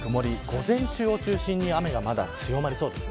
午前中を中心に雨が強まりそうです。